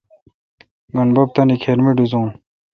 گین بب تانی کھیر می ڈیزوس۔